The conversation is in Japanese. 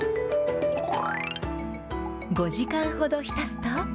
５時間ほどひたすと。